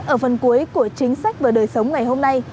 ở phần cuối của chính sách và đời sống ngày hôm nay